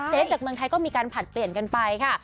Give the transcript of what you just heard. จากเมืองไทยก็มีการผลัดเปลี่ยนกันไปค่ะ